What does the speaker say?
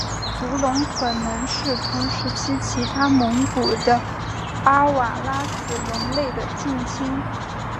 足龙可能是同时期其他蒙古的阿瓦拉慈龙类的近亲。